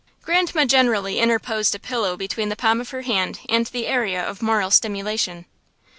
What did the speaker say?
Grandma generally interposed a pillow between the palm of her hand and the area of moral stimulation.